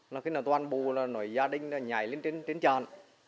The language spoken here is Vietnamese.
nó khi nào toàn bộ là nổi gia đình nhảy lên trên tràn